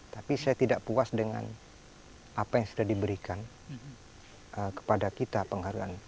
tapi saya tidak puas dengan apa yang sudah diberikan kepada kita penghargaan